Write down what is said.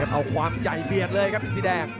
เอาความใหญ่เบียดเลยครับสีแดง